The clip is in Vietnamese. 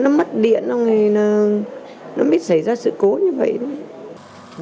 nó mất điện nó mới xảy ra sự cố như vậy thôi